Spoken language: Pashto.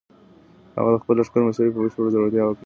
هغه د خپل لښکر مشري په بشپړ زړورتیا وکړه.